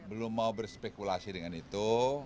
belum mau berspekulasi dengan itu